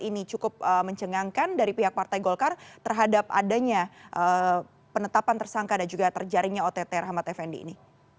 ini cukup mencengangkan dari pihak partai golkar terhadap adanya penetapan tersangka dan juga terjaringnya ott rahmat effendi ini